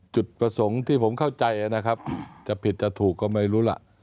จุดประสงค์ที่ผมเข้าใจนะครับจะผิดจะถูกก็ไม่รู้ล่ะ